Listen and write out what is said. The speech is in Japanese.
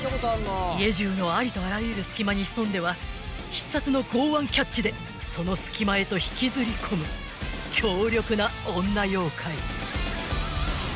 ［家じゅうのありとあらゆる隙間に潜んでは必殺の強腕キャッチでその隙間へと引きずりこむ強力な女妖怪］